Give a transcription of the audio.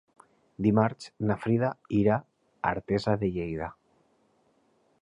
Dimarts na Frida irà a Artesa de Lleida.